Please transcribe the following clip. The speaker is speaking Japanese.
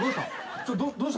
どうした？